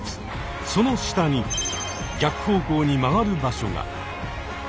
その下に逆方向に曲がる場所が。